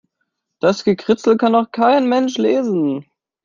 Das Gekritzel kann doch kein Mensch lesen.